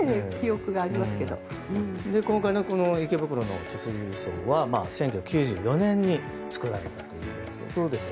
今回の池袋の貯水槽は１９４５年に作られたということです。